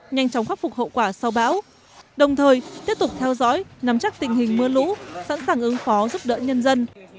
nhanh chóng khắc phục hậu quả sau bão đồng thời tiếp tục theo dõi nắm chắc tình hình mưa lũ sẵn sàng ứng phó giúp đỡ nhân dân